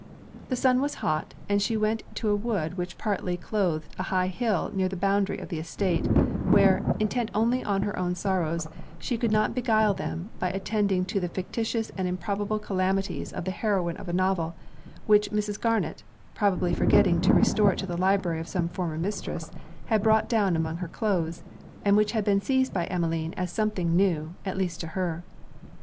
The sun was hot, and she went to a wood which partly cloathed an high hill near the boundary of the estate, where, intent only on her own sorrows, she could not beguile them by attending to the fictitious and improbable calamities of the heroine of a novel, which Mrs. Garnet (probably forgetting to restore it to the library of some former mistress,) had brought down among her cloaths, and which had been seized by Emmeline as something new, at least to her.